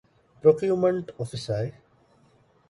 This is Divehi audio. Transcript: ޕްރޮކިއުމަންޓް އޮފިސަރ އެއް